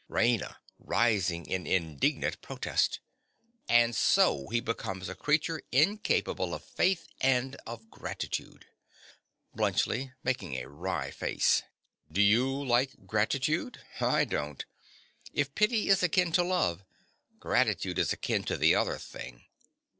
RAINA. (rising in indignant protest). And so he becomes a creature incapable of faith and of gratitude. BLUNTSCHLI. (making a wry face). Do you like gratitude? I don't. If pity is akin to love, gratitude is akin to the other thing.